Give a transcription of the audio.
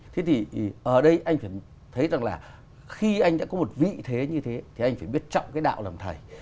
thế thì ở đây anh phải thấy rằng là khi anh đã có một vị thế như thế thì anh phải biết trọng cái đạo làm thầy